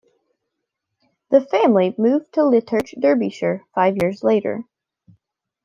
The family moved to Litchurch, Derbyshire five years later.